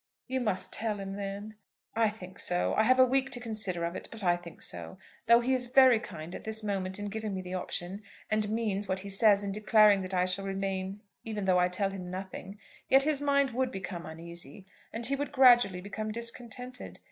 "You must tell him, then?" "I think so. I have a week to consider of it; but I think so. Though he is very kind at this moment in giving me the option, and means what he says in declaring that I shall remain even though I tell him nothing, yet his mind would become uneasy, and he would gradually become discontented.